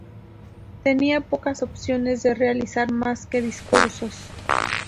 Tenía pocas opciones de realizar más que discursos.